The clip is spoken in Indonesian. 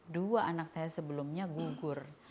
dua anak saya sebelumnya gugur